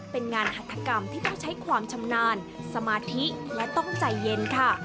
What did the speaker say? เป็นงานหัตถกรรมที่ต้องใช้ความชำนาญสมาธิและต้องใจเย็นค่ะ